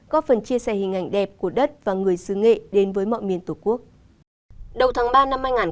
góp phần chia sẻ hình ảnh đẹp của đất và người xứ nghệ